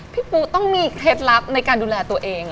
ปูต้องมีเคล็ดลับในการดูแลตัวเอง